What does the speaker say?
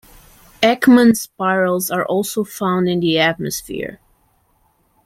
Ekman spirals are also found in the atmosphere.